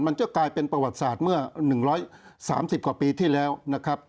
มันก็กลายเป็นประวัติศาสตร์เมื่อ๑๓๐กว่าปีที่แล้วนะครับ